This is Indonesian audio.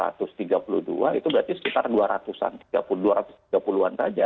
atau satu ratus tiga puluh dua itu berarti sekitar dua ratus an dua ratus tiga puluh an saja